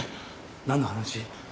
何の話？